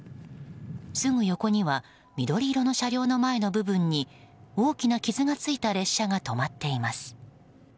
すぐ横には緑色の車両の前の部分に大きな傷がついた列車が止まっています。